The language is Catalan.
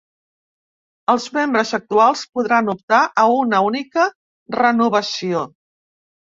Els membres actuals podran optar a una única renovació.